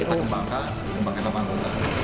empat orang lainnya dinyatakan dpo